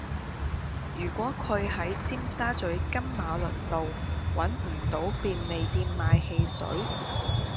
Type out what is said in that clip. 如果佢喺尖沙咀金馬倫道搵唔到便利店買汽水